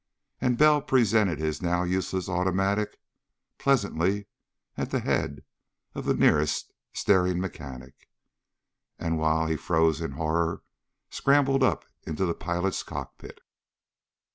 And Bell presented his now useless automatic pleasantly at the head of the nearest staring mechanic, and while he froze in horror, scrambled up into the pilot's cockpit.